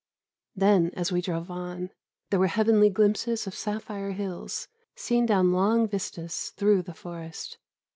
Then, as we drove on, there were heavenly glimpses of sapphire hills, seen down long vistas through the forest.